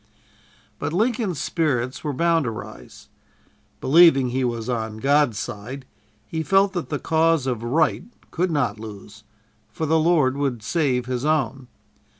But Lincoln's spirits were bound to rise. Believing he was "on God's side," he felt that the cause of Right could not lose, for the Lord would save His own.